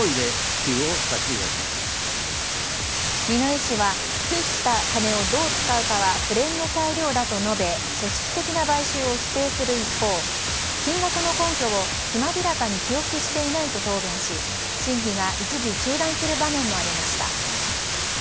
二之湯氏は寄付した金をどう使うかは府連の裁量だと述べ組織的な買収を否定する一方、金額の根拠をつまびらかに記憶していないと答弁し審議が一時中断する場面もありました。